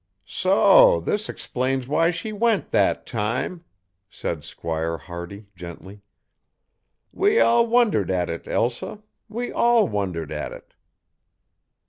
"So this explains why she went that time," said Squire Hardy gently. "We all wondered at it, Elsa we all wondered at it."